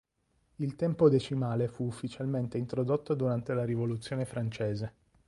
Il tempo decimale fu ufficialmente introdotto durante la Rivoluzione francese.